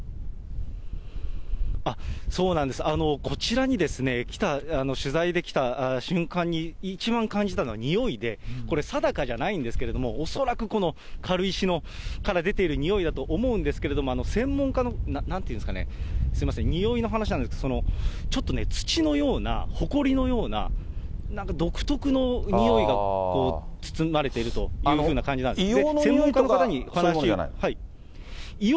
そうなんです、こちらに来た、取材で来た瞬間に一番感じたのはにおいで、これ定かじゃないんですけれども、恐らくこの軽石から出ているにおいだと思うんですけど、専門家の、なんていうんですかね、すみません、においの話なんで、ちょっと、土のようなほこりのような、なんか独特のにおいが包まれているというふうな感じなんですね。